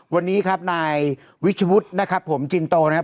วันนี้ครับนายวิชวุฒินะครับผมจินโตนะครับ